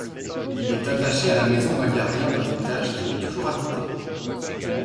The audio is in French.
Il est attaché à la maison d'un gardien d'un étage qui est toujours habité.